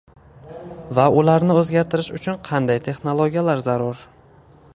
va ularni oʻzgartirish uchun qanday texnologiyalar zarur?